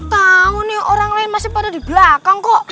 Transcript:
tahu nih orang lain masih pada di belakang kok